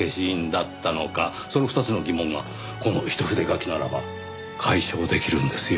その２つの疑問がこの一筆書きならば解消できるんですよ。